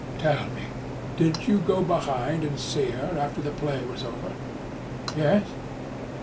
Tell me, did you go behind and see her, after the play was over?" "Yes."